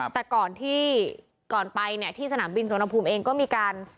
แต่ก่อนที่ก่อนไปที่สนามบินสนภูมิเองก็มีการ